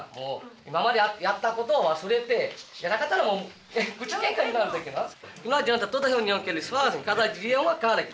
今までやったことを忘れてじゃなかったらもう口げんかになるだけで。